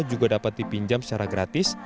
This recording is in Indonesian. juga dapat dipinjam secara gratis